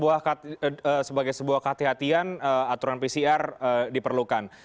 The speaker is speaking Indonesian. baik sebagai sebuah kehatian aturan pcr diperlukan